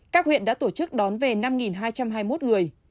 các huyện đã tổ chức đón về năm hai trăm hai mươi một người